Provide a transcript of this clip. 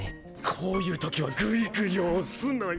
こういう時はグイグイ押すのよ！